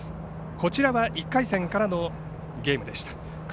こちらは１回戦からのゲームでした。